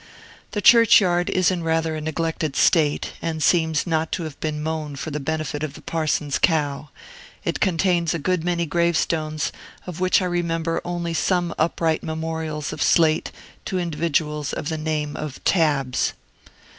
The churchyard is in rather a neglected state, and seems not to have been mown for the benefit of the parson's cow; it contains a good many gravestones, of which I remember only some upright memorials of slate to individuals of the name of Tabbs.